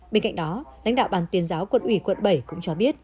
bên cạnh đó lãnh đạo bàn tiên giáo quận ủy quận bảy cũng cho biết